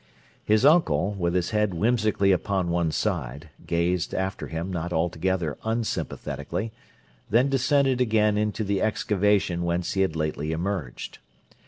His uncle, with his head whimsically upon one side, gazed after him not altogether unsympathetically, then descended again into the excavation whence he had lately emerged.